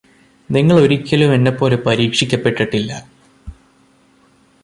നിങ്ങളൊരിക്കലും എന്നെപ്പോലെ പരീക്ഷിക്കപ്പെട്ടിട്ടില്ല